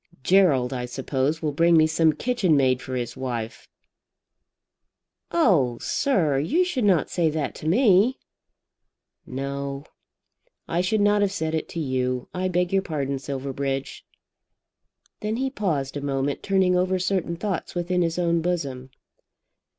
Gerald, I suppose, will bring me some kitchen maid for his wife." "Oh, sir, you should not say that to me." "No; I should not have said it to you. I beg your pardon, Silverbridge." Then he paused a moment, turning over certain thoughts within his own bosom.